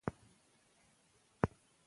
که اودس وکړو نو لمونځ نه قضا کیږي.